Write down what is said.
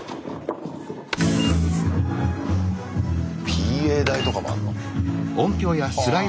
ＰＡ台とかもあんの。はあ全部。